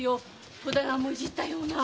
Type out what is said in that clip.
戸棚もいじったような。